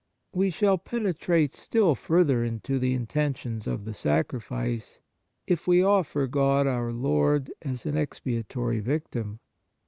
We shall penetrate still further into the intentions of the Sacrifice, if we offer God our Lord as an expiatory Victim.